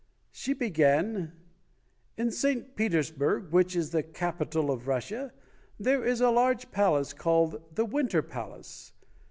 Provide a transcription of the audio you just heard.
She began, "In St. Petersburg, which is the capital of Russia, there is a large palace called the Winter Palace.